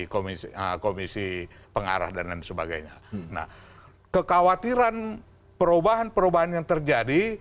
komisi komisi pengarah dan lain sebagainya nah kekhawatiran perubahan perubahan yang terjadi